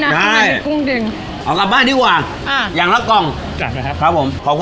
ทางไหนแน่ทางนี้ครับผม